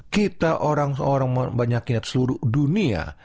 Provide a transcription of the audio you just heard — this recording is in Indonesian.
kita orang orang banyaknya di seluruh dunia